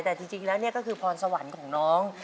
แต่จริงแล้วนี่ก็คือพรสวรรค์ของน้อง